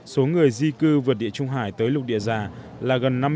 số người di cư vượt địa trung hải đã tăng gấp ba lần so với cùng kỳ năm hai nghìn một mươi bảy